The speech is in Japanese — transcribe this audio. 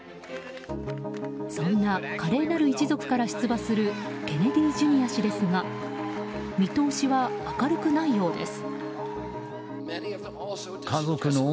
そんな華麗なる一族から出馬するケネディ・ジュニア氏ですが見通しは明るくないようです。